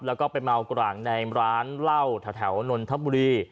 แล้วก็ไปเมากร่างในร้านเหล้าแถวนนทบุรี